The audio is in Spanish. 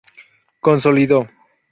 consolido